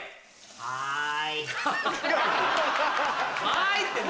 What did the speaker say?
はい。